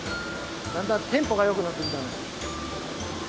だんだんテンポがよくなってきたね。